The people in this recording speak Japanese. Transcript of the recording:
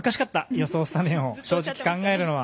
予想スタメンを正直、考えるのは。